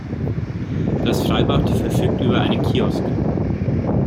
Das Freibad verfügt über einen Kiosk.